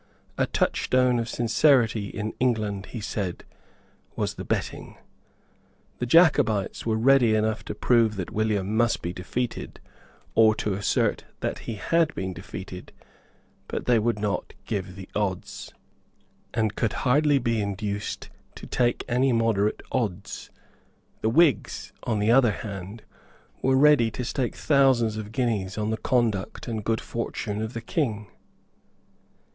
The touchstone of sincerity in England, he said, was the betting. The Jacobites were ready enough to prove that William must be defeated, or to assert that he had been defeated; but they would not give the odds, and could hardly be induced to take any moderate odds. The Whigs, on the other hand, were ready to stake thousands of guineas on the conduct and good fortune of the King.